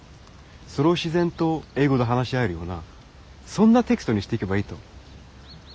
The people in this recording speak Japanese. それを自然と英語で話し合えるようなそんなテキストにしていけばいいと。